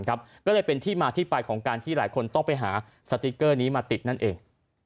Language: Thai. ก็เลยเป็นที่มาที่ไปของการที่หลายคนต้องไปหาสติ๊กเกอร์นี้มาติดนั่นเอง